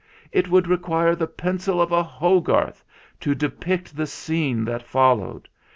It would require the pencil of a Hogarth to depict the scene that followed.